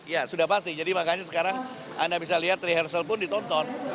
ya sudah pasti jadi makanya sekarang anda bisa lihat rehearsal pun ditonton